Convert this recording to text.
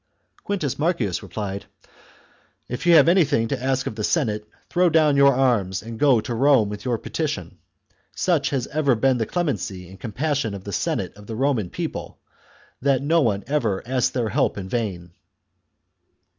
CHAR Xo this, Quintus Marcius replied, " If you have any thing to ask of the Senate, throw down your arms, and. THE CONSPIRACY OF CATILINE. 29 go to Rome with your petition. Such has ever been the char clemency and compassion of the Senate of the Roman people that no one ever asked their help in vain."